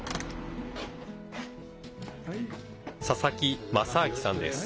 佐々木雅昭さんです。